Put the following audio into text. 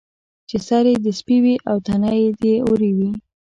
چې سر یې د سپي وي او تنه یې د وري وي.